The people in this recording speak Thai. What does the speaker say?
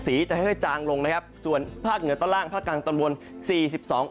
สีจะให้ค่อยจางลงนะครับส่วนภาคเหนือต้านล่างภาคกลางต้านบน